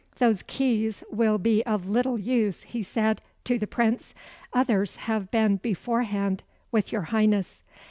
"Those keys will be of little use," he said, to the Prince. "Others have been beforehand with your Highness."